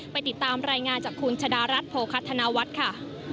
ติดตามรายงานจากคุณชะดารัฐโภคัธนวัฒน์ค่ะ